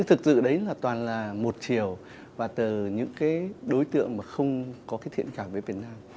thực sự đấy toàn là một chiều và từ những đối tượng không có thiện cảm với việt nam